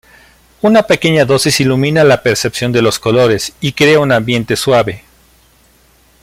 Una pequeña dosis ilumina la percepción de los colores y crea un ambiente suave.